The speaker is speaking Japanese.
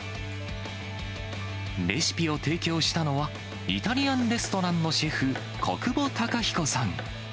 レシピを提供したのは、イタリアンレストランのシェフ、小久保隆彦さん。